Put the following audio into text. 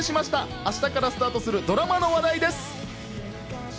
明日からスタートするドラマの話題です。